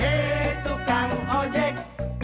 hei tukang ojek